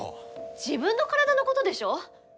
自分の体のことでしょ？